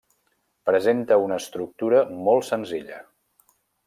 Presenta una estructura molt senzilla.